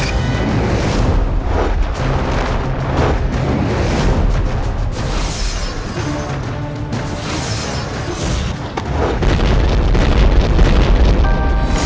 rakan asal cepat